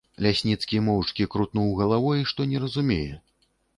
Лясніцкі моўчкі крутнуў галавой, што не разумее.